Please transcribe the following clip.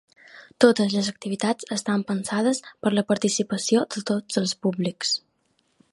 Totes les activitats estan pensades per la participació de tots els públics.